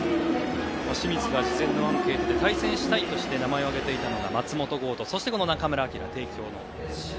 清水が事前のアンケートで対戦したいとして名前を挙げていたのが松本剛とそしてこの中村晃。